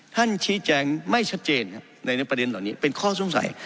ท่านชี้แจงไม่ชัดเจนครับในประเด็นเหล่านี้เป็นข้อสงสัย